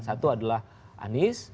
satu adalah anies